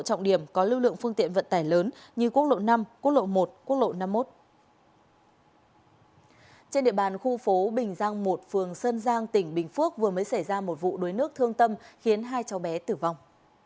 trên địa bàn khu phố bình giang một phường sơn giang tỉnh bình phước vừa mới xảy ra một vụ đuối nước thương tâm khiến hai cháu bé tử vong